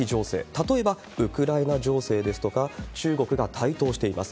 例えば、ウクライナ情勢ですとか、中国が台頭しています。